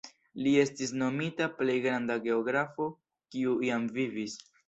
Li estis nomita plej granda geografo kiu iam vivis.